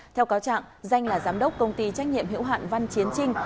theo cáo trạng danh là giám đốc công ty trách nhiệm hữu hạn văn chiến trinh